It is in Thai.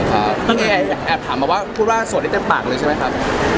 พี่เอ๊ยแอบถามมาว่าทุกวันโสดได้เต็มปากเลยใช่ไหมครับ